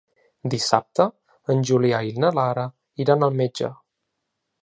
Dissabte en Julià i na Lara iran al metge.